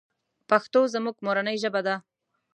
پښتو زموږ مورنۍ ژبه ده .